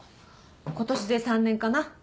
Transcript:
今年で３年かな。